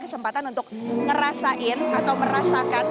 kesempatan untuk ngerasain atau merasakan